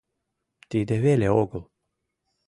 Тиде веле огыл...